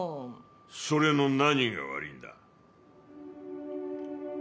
それの何が悪いんだ。